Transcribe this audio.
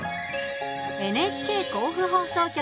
ＮＨＫ甲府放送局